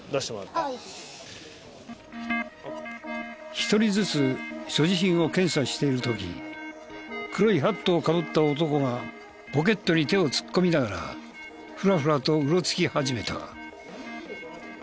１人ずつ所持品を検査している時黒いハットをかぶった男がポケットに手を突っ込みながらフラフラとうろつき始めた。